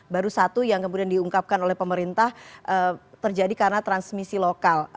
baru satu yang kemudian diungkapkan oleh pemerintah terjadi karena transmisi lokal